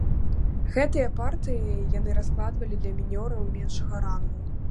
Гэтыя партыі яны раскладвалі для мінёраў меншага рангу.